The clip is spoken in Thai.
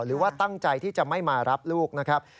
หรือว่าตั้งใจที่จะไม่มารับลูกนะครับ